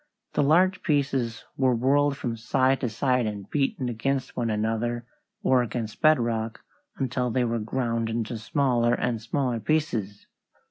The large pieces were whirled from side to side and beaten against one another or against bedrock until they were ground into smaller and smaller pieces.